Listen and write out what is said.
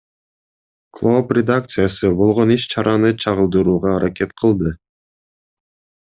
Клооп редакциясы болгон иш чараны чагылдырууга аракет кылды.